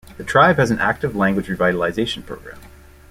The tribe has an active language revitalization program.